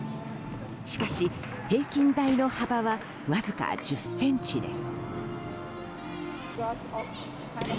しかし、平均台の幅はわずか１０ｃｍです。